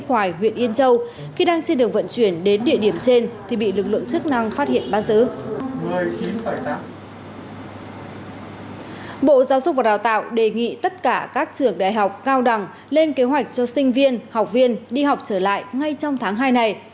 bộ giáo dục và đào tạo đề nghị tất cả các trường đại học cao đẳng lên kế hoạch cho sinh viên học viên đi học trở lại ngay trong tháng hai này